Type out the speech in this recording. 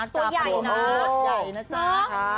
ตัวใหญ่นะ